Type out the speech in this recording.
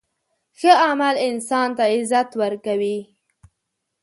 ښه عمل انسان ته عزت ورکوي.